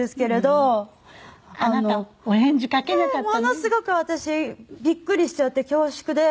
「ものすごく私びっくりしちゃって恐縮で」